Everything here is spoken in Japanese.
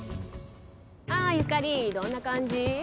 ああ、ゆかりどんな感じ？